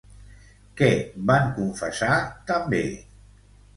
Què van confessar també?